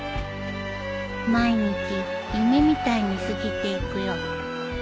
毎日夢みたいに過ぎていくよ